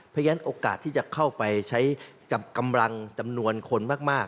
เพราะฉะนั้นโอกาสที่จะเข้าไปใช้กับกำลังจำนวนคนมาก